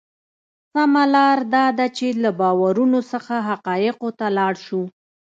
سمه لار دا ده چې له باورونو څخه حقایقو ته لاړ شو.